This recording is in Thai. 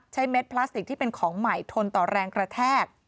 เม็ดพลาสติกที่เป็นของใหม่ทนต่อแรงกระแทก